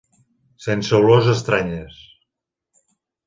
Sense olors estranyes.